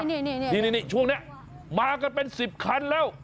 นี่ช่วงนี้มากันเป็น๑๐คันแล้ว